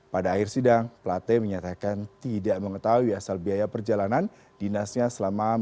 pada akhir sidang plate menyatakan tidak mengetahui asal biaya perjalanan dinasnya selama